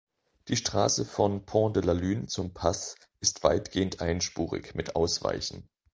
Die Straße von Pont de la Lune zum Pass ist weitgehend einspurig mit Ausweichen.